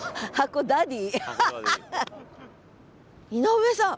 井上さん。